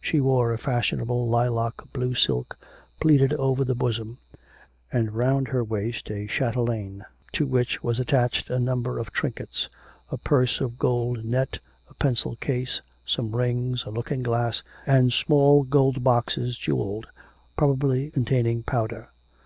She wore a fashionable lilac blue silk, pleated over the bosom; and round her waist a chatelaine to which was attached a number of trinkets, a purse of gold net, a pencil case, some rings, a looking glass, and small gold boxes jewelled probably containing powder.